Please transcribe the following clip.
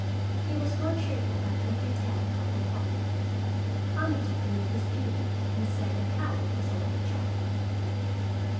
He was more cheerful after he had had a cup of coffee, commented on Lida's beauty, and said that Howell was a lucky chap.